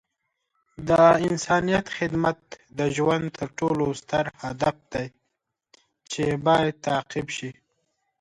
د انسانیت خدمت د ژوند تر ټولو ستر هدف دی چې باید تعقیب شي.